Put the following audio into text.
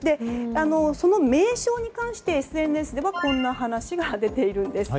その名称に関してＳＮＳではこんな話が出ているんです。